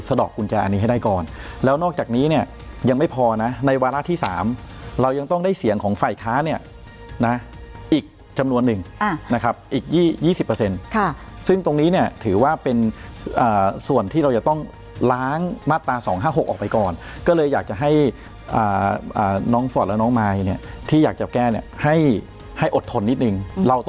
ดอกกุญแจอันนี้ให้ได้ก่อนแล้วนอกจากนี้เนี่ยยังไม่พอนะในวาระที่๓เรายังต้องได้เสียงของฝ่ายค้าเนี่ยนะอีกจำนวนหนึ่งนะครับอีก๒๐ซึ่งตรงนี้เนี่ยถือว่าเป็นส่วนที่เราจะต้องล้างมาตรา๒๕๖ออกไปก่อนก็เลยอยากจะให้น้องฟอร์ตและน้องมายเนี่ยที่อยากจะแก้เนี่ยให้ให้อดทนนิดนึงเราต